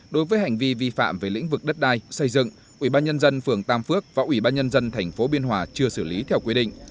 đối với hành vi vi phạm về lĩnh vực đất đai xây dựng ủy ban nhân dân phường tam phước và ủy ban nhân dân tp biên hòa chưa xử lý theo quy định